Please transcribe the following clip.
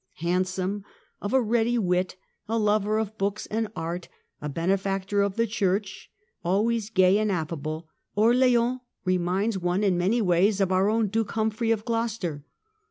Handsome, of a ready wit, a lover of books and art, a benefactor of the Church, always gay and affable, Orleans reminds one in many ways of our own Duke Humphrey of Gloucester.